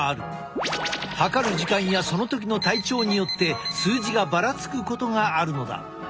測る時間やその時の体調によって数字がばらつくことがあるのだ。